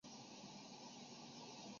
麻安德少年时期就读于华美学校。